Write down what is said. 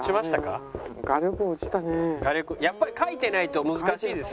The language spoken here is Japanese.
やっぱり描いてないと難しいですか？